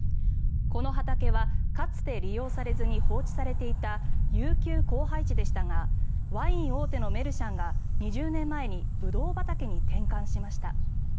この畑はかつて利用されずに放置されていた遊休荒廃地でしたがワイン大手のメルシャンが２０年前にブドウ畑に転換しました。